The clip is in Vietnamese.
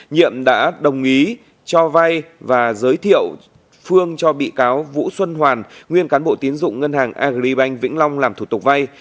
nhiệm đã đồng ý cho vay và giới thiệu phương cho bị cáo vũ xuân hoàn nguyên cán bộ tiến dụng ngân hàng agribank vĩnh long làm thủ tục vay